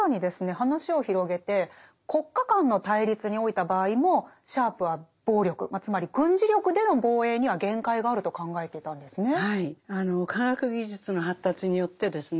話を広げて国家間の対立においた場合もシャープは暴力つまり軍事力での防衛には限界があると考えていたんですね。